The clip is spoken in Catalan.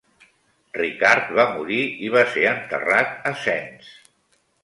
Ricard va morir i va ser enterrat a Sens.